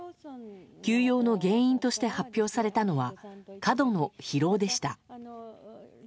休養の原因として発表されたのは過度の疲労でした。